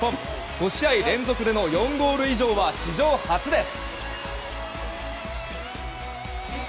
５試合連続での４ゴール以上は史上初です。